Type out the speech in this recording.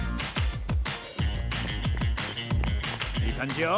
いいかんじよ。